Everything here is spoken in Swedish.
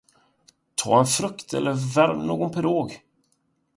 Ta en frukt eller värm någon pirog!